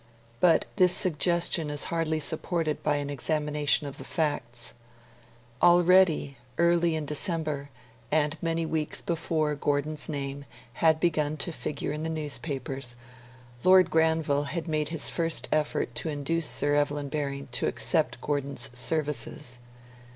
But this suggestion is hardly supported by an examination of the facts. Already, early in December, and many weeks before Gordon's name had begun to figure in the newspapers, Lord Granville had made his first effort to induce Sir Evelyn Baring to accept Gordon's services.